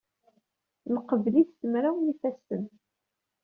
Neqbel-it s mraw n yifassen.